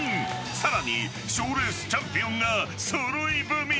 ［さらに賞レースチャンピオンが揃い踏み］